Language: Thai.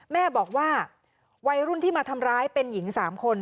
แม่บอกว่าวัยรุ่นที่มาทำร้ายเป็นหญิง๓คน